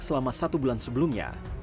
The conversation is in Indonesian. selama satu bulan sebelumnya